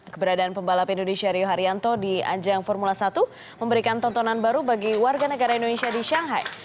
keberadaan pembalap indonesia rio haryanto di ajang formula satu memberikan tontonan baru bagi warga negara indonesia di shanghai